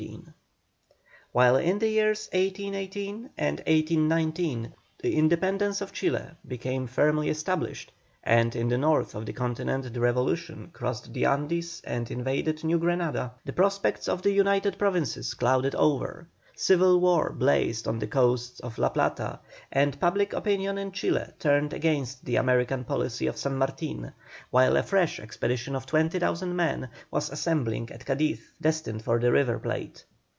THE REPASSAGE OF THE ANDES. 1818 1819. While in the years 1818 and 1819 the independence of Chile became firmly established, and in the north of the continent the revolution crossed the Andes and invaded New Granada, the prospects of the United Provinces clouded over; civil war blazed on the coasts of La Plata, and public opinion in Chile turned against the American policy of San Martin, while a fresh expedition of 20,000 men was assembling at Cadiz, destined for the River Plate.